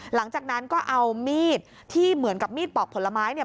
หลังจากนั้นก็เอามีดที่เหมือนกับมีดปอกผลไม้เนี่ย